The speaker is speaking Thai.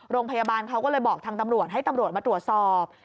โรงพยาบาลเขาก็เลยบอกทางตำรวจให้ตำรวจมาตรวจสอบ